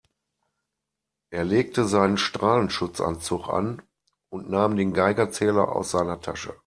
Er legte seinen Strahlenschutzanzug an und nahm den Geigerzähler aus seiner Tasche.